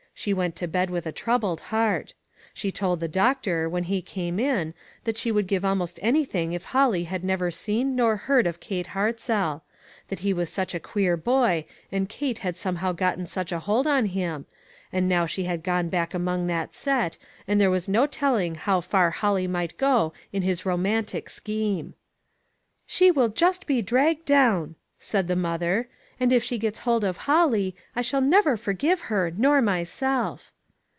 She went to bed with a troubled heart. She told the doctor, when he came in, that she would give almost anything if Holly had never seen nor heard of Kate Hartzell ; that he was suoh a queer boy, and Kate had somehow gotten such a hold on him ; and now she had gone back among that set, and there was no telling how far Holly might go in his romantic scheme. "She will just be dragged down," said the mother, " and if she gets hold of Holly, I shall never forgive her nor myself."